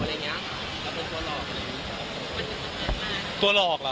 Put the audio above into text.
แล้วมันจะใช่หรือเปล่า